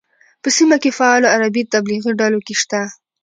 په سیمه کې فعالو عربي تبلیغي ډلو کې شته.